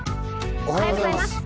おはようございます。